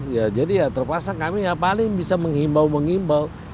ya jadi ya terpaksa kami yang paling bisa mengimbau mengimbau